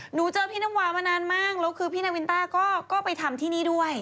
หนูเจอพี่น้ำหวานมานานมากแล้วคือพี่นาวินต้าก็ไปทำที่นี่ด้วย